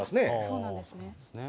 そうなんですね。